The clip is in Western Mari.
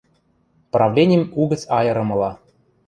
Правленим угӹц айырымыла...